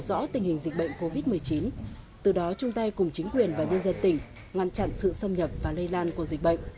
giúp chúng ta cùng chính quyền và nhân dân tỉnh ngăn chặn sự xâm nhập và lây lan của dịch bệnh